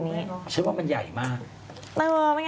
ไม่งั้นจะเห็นได้ยังไงใช่ไหม